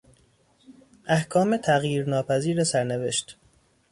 احکام تغییر ناپذیر سرنوشت